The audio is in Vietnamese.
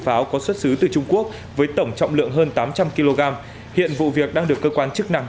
pháo có xuất xứ từ trung quốc với tổng trọng lượng hơn tám trăm linh kg hiện vụ việc đang được cơ quan chức năng